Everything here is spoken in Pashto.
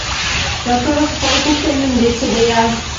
ډاکتر راڅخه وپوښتل نوم دې څه ديه.